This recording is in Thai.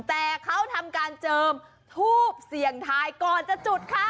แต่เขาทำการเจิมทูบเสี่ยงทายก่อนจะจุดค่ะ